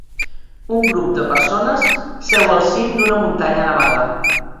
Un grup de persones seu al cim d'una muntanya nevada.